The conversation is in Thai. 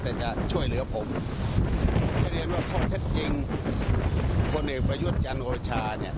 แต่จะช่วยเหลือผมแสดงว่าข้อเท็จจริงพลเอกประยุทธ์จันทร์โอชาเนี่ย